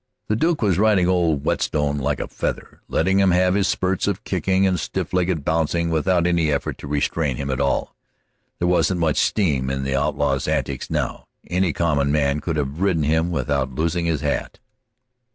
The Duke was riding old Whetstone like a feather, letting him have his spurts of kicking and stiff legged bouncing without any effort to restrain him at all. There wasn't much steam in the outlaw's antics now; any common man could have ridden him without losing his hat.